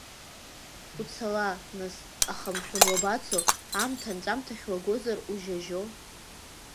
Уцала, нас, аха, мшәан, уабацо, аамҭа анҵәамҭахь уагозар ужьа-жьо!